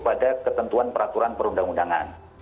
pada ketentuan peraturan perundang undangan